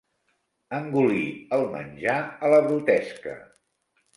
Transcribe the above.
Engolir el menjar a la brutesca.